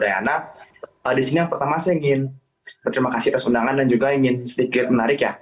ya adik ya